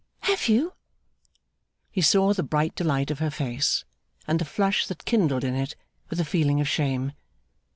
Have you?' He saw the bright delight of her face, and the flush that kindled in it, with a feeling of shame.